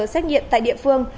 xét nghiệm tại địa phương